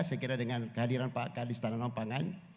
saya kira dengan kehadiran pak kadis tanaman pangan